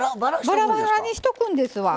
バラバラにしとくんですわ。